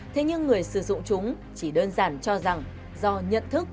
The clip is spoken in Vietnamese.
thế nhưng người sử dụng chúng chỉ đơn giản cho rằng do nhận thức